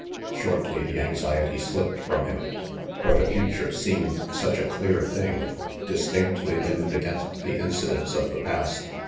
Shortly the anxiety slipped from him; for the future seemed such a clear thing, distinctly limned against the incidents of the past.